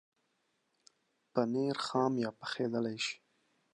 پنېر خام یا پخېدلای شي.